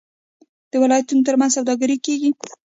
د ولایتونو ترمنځ سوداګري کیږي.